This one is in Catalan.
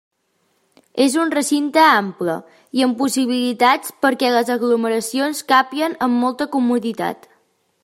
És un recinte ample, i amb possibilitats perquè les aglomeracions càpien amb molta comoditat.